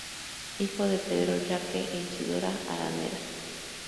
Hijo de Pedro Jaque e Isidora Araneda.